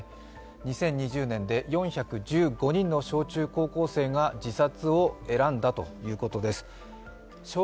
２０２０年で４１５年の小中高生が自殺を選んだということです。